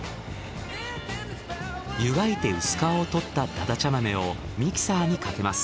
湯がいて薄皮を取っただだちゃ豆をミキサーにかけます。